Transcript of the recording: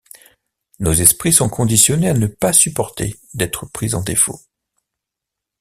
Nos esprits sont conditionnés à ne pas supporter d’être pris en défaut.